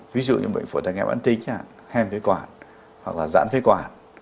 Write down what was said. ví dụ như bệnh phổi thành viêm mãn tính hèn phế quản hoặc là giãn phế quản